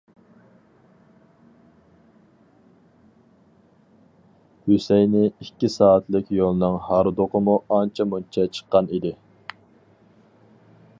-ھۈسەينى ئىككى سائەتلىك يولنىڭ ھاردۇقىمۇ ئانچە-مۇنچە چىققان ئىدى.